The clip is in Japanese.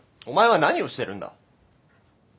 お前は何をしてるんだ？